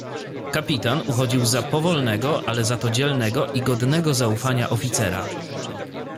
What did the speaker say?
"Kapitan uchodził za powolnego ale za to dzielnego i godnego zaufania oficera."